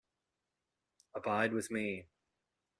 Abide with me.